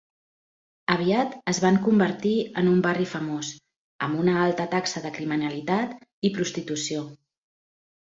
Aviat es van convertir en un barri famós, amb una alta taxa de criminalitat i prostitució.